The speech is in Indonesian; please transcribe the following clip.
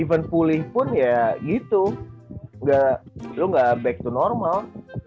iya event pulih pun ya gitu gak dulu gak back to normal